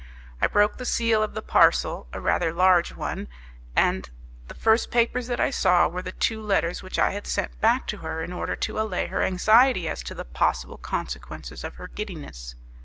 I broke the seal of the parcel a rather large one, and the first papers that I saw were the two letters which I had sent back to her in order to allay her anxiety as to the possible consequences of her giddiness.